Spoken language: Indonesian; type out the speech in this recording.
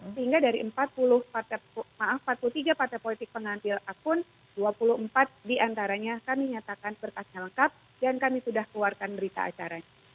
sehingga dari empat puluh tiga partai politik pengantil akun dua puluh empat diantaranya kami nyatakan berkasnya lengkap dan kami sudah keluarkan berita acaranya